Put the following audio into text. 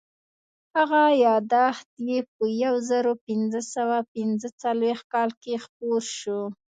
هغه یادښت یې په یو زرو پینځه سوه پینځه څلوېښت کال کې خپور شو.